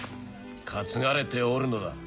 担がれておるのだ。